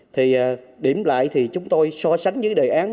thì điểm lại thì chúng tôi so sánh với đề án